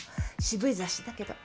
渋い雑誌だけど。